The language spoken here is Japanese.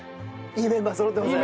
いいメンバーそろってますよ。